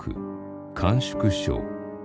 甘粛省。